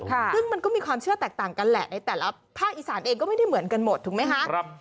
ซึ่งมันก็มีความเชื่อแตกต่างกันแหละในแต่ละภาคอีสานเองก็ไม่ได้เหมือนกันหมดถูกไหมคะ